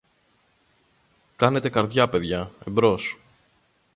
Κάνετε καρδιά, παιδιά, εμπρός!